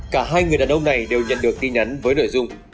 cả hai người đàn ông này đều nhận được tin nhắn với nội dung